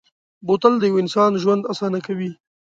بوتل د یو انسان ژوند اسانه کوي.